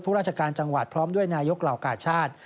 ราชการจังหวัดพร้อมด้วยนายกเหล่ากาชาติ